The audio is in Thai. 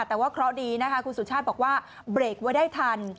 แต่ว่าเพราะดีคุณสุชาติบอกว่าเบรคว่าได้ทัน